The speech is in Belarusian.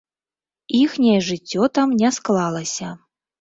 Іхняе жыццё там не склалася.